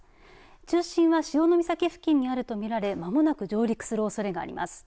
中心は潮岬付近にあると見られまもなく上陸するおそれがあります。